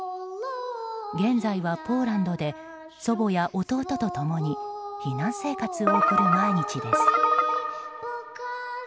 現在はポーランドで祖母や弟と共に避難生活を送る毎日です。